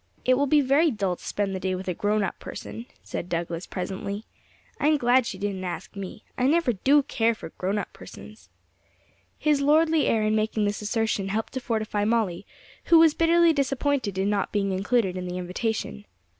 'It will be very dull to spend the day with a grown up person,' said Douglas presently; 'I'm glad she didn't ask me; I never do care for grown up persons.' His lordly air in making this assertion helped to fortify Molly, who was bitterly disappointed in not being included in the invitation.